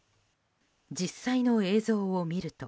実際の映像を見ると。